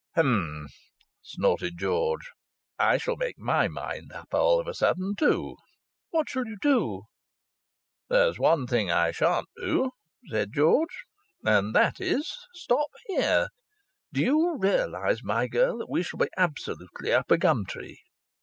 "H'm!" snorted George. "I shall make my mind up all of a sudden, too!" "What shall you do?" "There's one thing I shan't do," said George. "And that is, stop here. Do you realize, my girl, that we shall be absolutely up a gum tree?"